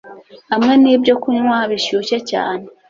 hamwe nibyokunywa bishyushye cyane